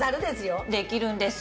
できるんです。